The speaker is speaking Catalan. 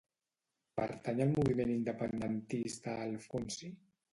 Pertany al moviment independentista el Fonsi?